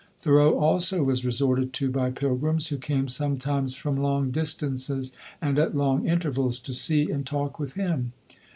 Thoreau also was resorted to by pilgrims, who came sometimes from long distances and at long intervals, to see and talk with him.